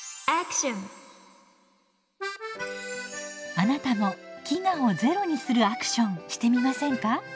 あなたも飢餓をゼロにするアクションしてみませんか？